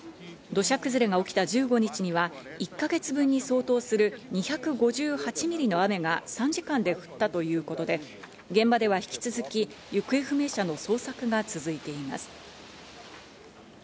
土砂崩れが起きた１５日には１か月分に相当する２５８ミリの雨が３時間で降ったということで、現場では引き続き行方不明者の捜索が続いています。